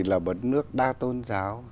là một nước đa tôn giáo